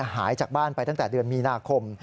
หายจากบ้านไปตั้งแต่เดือนมีนาคม